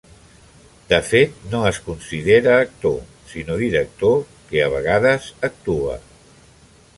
De fet no es considera actor, sinó director que a vegades actua.